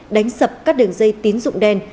đánh sập các đường dây tín dụng đen